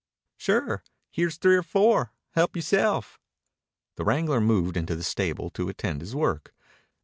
"Sure. Here's three or four. Help yourself." The wrangler moved into the stable to attend to his work.